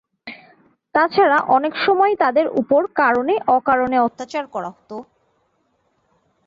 তাছাড়া অনেক সময়ই তাদের উপর কারণে অকারণে অত্যাচার করা হতো।